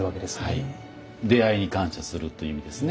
出会いに感謝するという意味ですね。